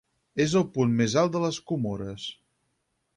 És el punt més alt de les Comores.